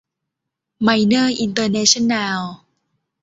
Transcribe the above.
ไมเนอร์ อินเตอร์เนชั่นแนล